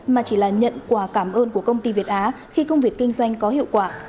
mà chỉ là nhận quà cảm ơn của công ty việt á khi công việc kinh doanh có hiệu quả